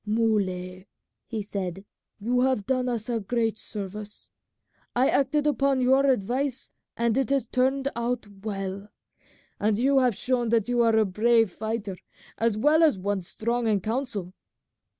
"Muley," he said, "you have done us great service. I acted upon your advice and it has turned out well; and you have shown that you are a brave fighter as well as one strong in counsel.